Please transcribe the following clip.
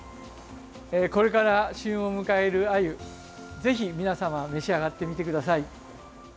これから旬を迎えるアユぜひ皆様、召し上がってください。